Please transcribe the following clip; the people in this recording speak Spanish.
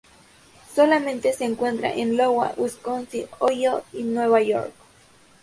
Solamente se encuentran en Iowa, Wisconsin, Ohio y Nueva York.